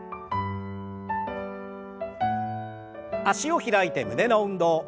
脚を開いて胸の運動。